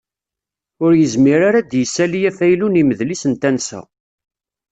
Ur yezmir ara ad d-yessali afaylu n imedlis n tensa.